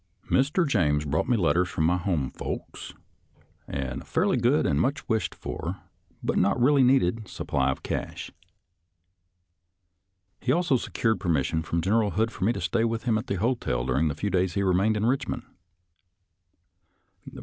Mr. James brought me letters from my home folks, and a fairly good and much wished for, but not really needed, supply of cash. He also secured permis sion from General Hood for me to stay with him at the hotel during the few days he remained in Eichmond.